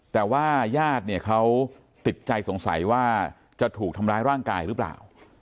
แต่ว่าญาติเนี่ยเขาติดใจสงสัยว่าจะถูกทำร้ายร่างกายหรือเปล่า